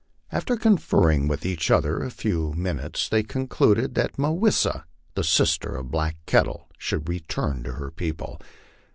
After conferring with each other a few minutes, they concluded that Mah wis sa, the sister of Black Kettle, should return to her people.